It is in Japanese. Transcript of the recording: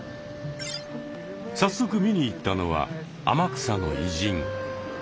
早速見に行ったのは天草の偉人。